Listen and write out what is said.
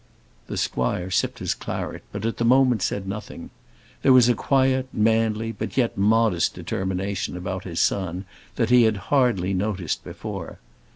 The squire sipped his claret, but at the moment said nothing. There was a quiet, manly, but yet modest determination about his son that he had hardly noticed before.